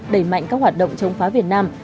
đẩy mạnh các hoạt động chống phá việt nam